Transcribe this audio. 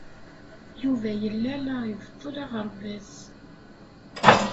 Yuba yella la ibeṭṭel aɣerbaz.